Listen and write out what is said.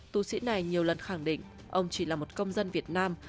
tù sĩ này nhiều lần khẳng định ông chỉ là một công dân việt nam